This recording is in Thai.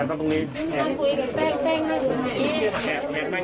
ทีมข่าวเราก็พยายามสอบปากคำในแหบนะครับ